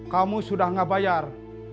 kamu sudah gak bayar